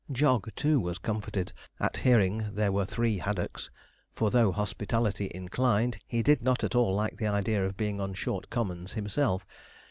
Jog, too, was comforted at hearing there were three haddocks, for though hospitably inclined, he did not at all like the idea of being on short commons himself.